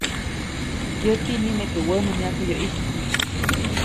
Yäti nimeke wä nä myaku yäʼ ʼijtkuʼy.